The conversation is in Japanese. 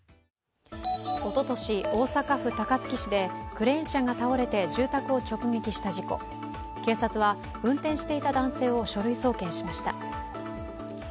おととし、大阪府高槻市でクレーン車が倒れて住宅を直撃した事故警察は運転していた男性を書類送検しました。